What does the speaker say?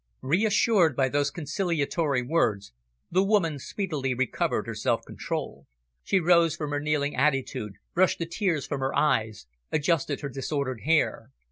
Reassured by those conciliatory words, the woman speedily recovered her self control. She rose from her kneeling attitude, brushed the tears from her eyes, adjusted her disordered hair.